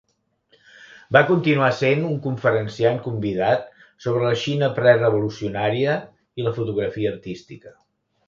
Va continuar sent un conferenciant convidat sobre la Xina prerevolucionària i la fotografia artística.